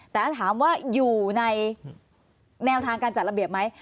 แต่ถ้าถามว่าอยู่ในแนวทางการจัดระเบียบไหม